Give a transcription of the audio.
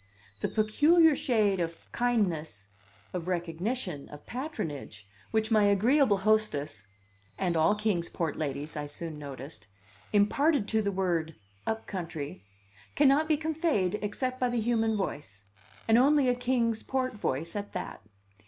The peculiar shade of kindness, of recognition, of patronage, which my agreeable hostess (and all Kings Port ladies, I soon noticed) imparted to the word "up country" cannot be conveyed except by the human voice and only a Kings Port voice at that.